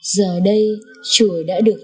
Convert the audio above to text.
giờ đây chùa đã được